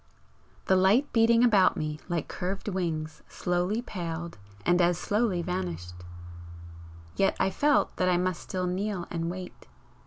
The light beating about me like curved wings slowly paled and as slowly vanished yet I felt that I must still kneel and wait.